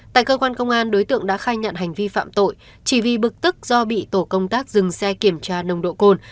tại cơ quan công an đối tượng đã khai nhận hành vi phạm tội chỉ vì bực tức do bị tổ công tác dừng xe kiểm tra nồng độ cồn